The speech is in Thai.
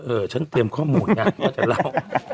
เออฉันเตรียมข้อมูลนะก็จะเล่า